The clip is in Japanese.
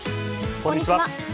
こんにちは。